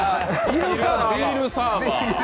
ビールサーバー。